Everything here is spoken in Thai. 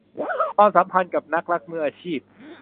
ความสัมพันธ์กับนักรักมืออาชีพ